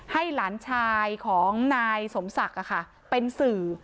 ให้หลานชายของนายสมศักดิ์เป็นสื่อ